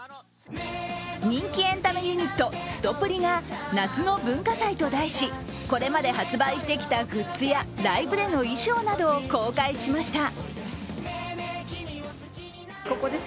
人気エンタメユニットすとぷりが夏の文化祭と題し、これまで発売してきたグッズやライブでの衣装などを公開しました。